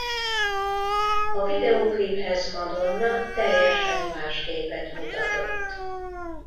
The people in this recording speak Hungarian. A videókliphez Madonna teljesen más képet mutatott.